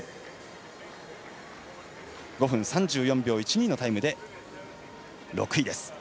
５分３４秒１２のタイムで６位です。